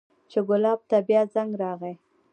چې ګلاب ته بيا زنګ راغى.